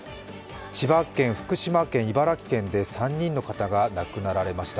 千葉県、福島県、茨城県で３人の方が亡くなられました。